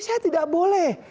saya tidak boleh